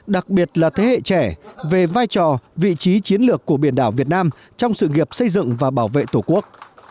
đặc biệt là thế hệ trẻ về vai trò vị trí chiến lược của biển đảo việt nam trong sự nghiệp xây dựng và bảo vệ tổ quốc